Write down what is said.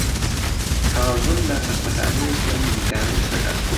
کازم لە خەستەخانەیەکی ئەم نزیکانە ئیش دەکات.